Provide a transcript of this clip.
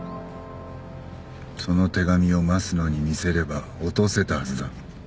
その手紙を益野に見せれば落とせたはずだ。